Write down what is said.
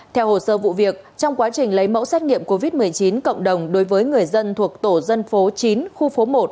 theo hồ sơ vụ việc trong quá trình lấy mẫu xét nghiệm covid một mươi chín cộng đồng đối với người dân thuộc tổ dân phố chín khu phố một